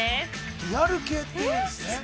リアル系って言うんですね。